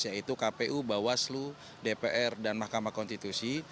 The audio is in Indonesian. yaitu kpu bawaslu dpr dan mahkamah konstitusi